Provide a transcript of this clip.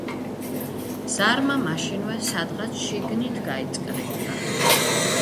ზარმა მაშინვე სადღაც შიგნით გაიწკრიალა.